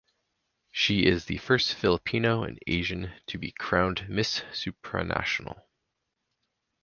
She is the first Filipino and Asian to be crowned Miss Supranational.